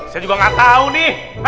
saya juga nggak tahu nih